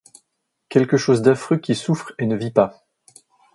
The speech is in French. Quelque chose d’affreux qui souffre et ne vit pas !